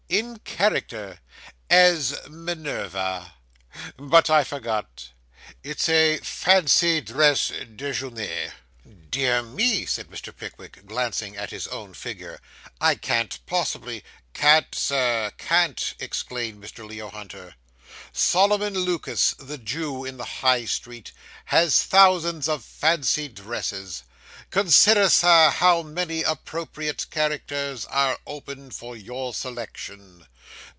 'In character!' 'As Minerva. But I forgot it's a fancy dress dejeune.' 'Dear me,' said Mr. Pickwick, glancing at his own figure 'I can't possibly ' 'Can't, sir; can't!' exclaimed Mr. Leo Hunter. 'Solomon Lucas, the Jew in the High Street, has thousands of fancy dresses. Consider, Sir, how many appropriate characters are open for your selection.